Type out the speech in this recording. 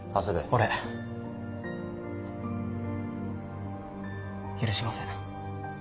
俺許しません。